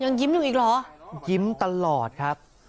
ยังยิ้มอยู่อีกเหรอยิ้มตลอดครับ